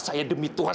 saya demi tuhan